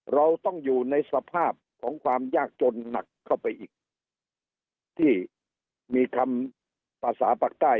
เราต้องอยู่ในสภาพของความยากจนหนักเข้าไปอีกที่มีคำภาษาปากใต้